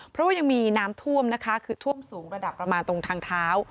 เพราะว่ายังมีน้ำท่วมนะคะคือท่วมสูงระดับประมาณตรงทางเท้า